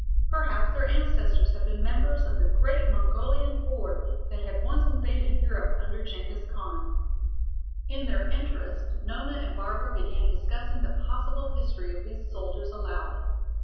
Perhaps their ancestors had been members of the great Mongolian horde that had once invaded Europe under Genghis Khan. In their interest Nona and Barbara began discussing the possible history of these soldiers aloud.